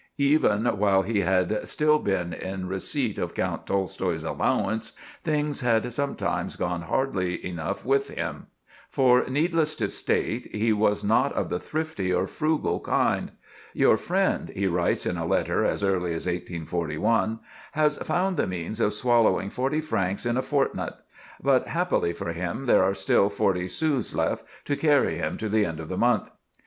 Even while he had still been in receipt of Count Tolstoï's allowance, things had sometimes gone hardly enough with him; for, needless to state, he was not of the thrifty or frugal kind, "Your friend," he writes in a letter, as early as 1841, "has found the means of swallowing forty francs in a fortnight; but happily for him there are still forty sous left to carry him to the end of the month.